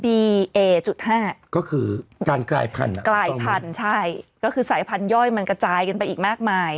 เอจุดห้าก็คือการกลายพันธุ์กลายพันธุ์ใช่ก็คือสายพันธย่อยมันกระจายกันไปอีกมากมาย